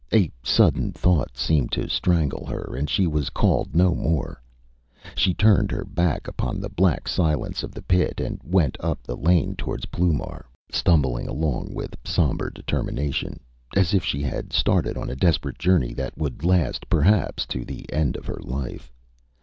A sudden thought seemed to strangle her, and she called no more. She turned her back upon the black silence of the pit and went up the lane towards Ploumar, stumbling along with sombre determination, as if she had started on a desperate journey that would last, perhaps, to the end of her life.